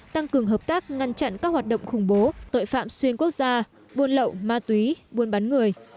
tăng cường hợp tác ngăn chặn các hoạt động khủng bố tội phạm xuyên quốc gia buôn lậu ma túy buôn bán người